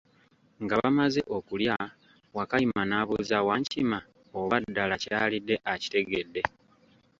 Nga bamaze okulya, Wakayima n'abuuza Wankima oba ddala kyalidde akitegedde.